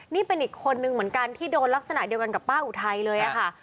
นี่เป็นอีกคนนึงเหมือนกันที่โดนลักษณะเดียวกันกับป้าอุทัยเลยค่ะ